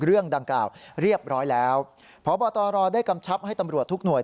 เรื่องดังกล่าวเรียบร้อยแล้วพบตรได้กำชับให้ตำรวจทุกหน่วย